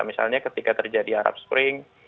misalnya ketika terjadi arab spring